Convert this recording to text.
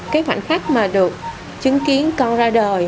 cái khoảnh khắc mà được chứng kiến con ra đời